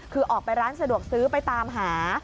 คือออกไปร้านสะดวกซื้อไปตามหา